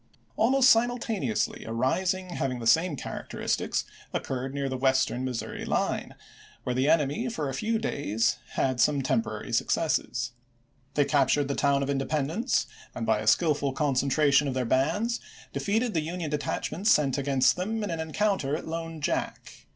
Almost simultaneously a rising having the same characteristics occurred near the Western Missouri line, where the enemy for a few days had some temporary successes. They captured the town of Independence and, by Aug.11,1862. a skillful concentration of their bands, defeated the Union detachments sent against them in an en counter at Lone Jack.